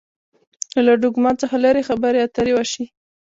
له ډوګما څخه لري خبرې اترې وشي.